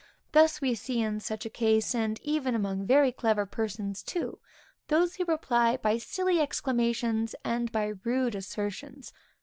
Thus we see, in such a case, and even among very clever persons too, those who reply by silly exclamations and by rude assertions.